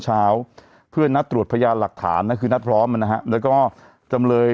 เช้าเพื่อนัดตรวจพยานหลักฐานนะคือนัดพร้อมนะฮะแล้วก็จำเลย